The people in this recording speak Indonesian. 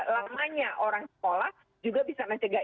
lamanya orang sekolah juga bisa mencegah